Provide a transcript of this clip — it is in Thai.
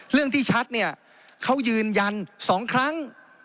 ที่ชัดเนี่ยเขายืนยัน๒ครั้ง